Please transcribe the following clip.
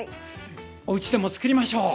おうちでも作りましょう！